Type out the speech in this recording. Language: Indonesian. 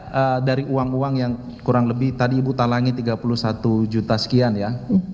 kalau dari uang uang yang kurang lebih tadi ibu talangi tiga puluh satu juta sekian ya